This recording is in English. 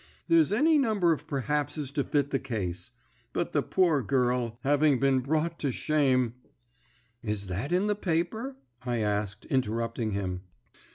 There's any number of perhapses to fit the case. But the poor girl, having been brought to shame ' "'Is that in the paper?' I asked, interrupting him.